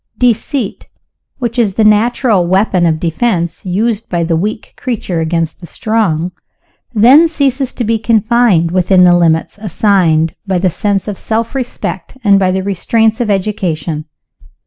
Deceit, which is the natural weapon of defense used by the weak creature against the strong, then ceases to be confined within the limits assigned by the sense of self respect and by the restraints of education.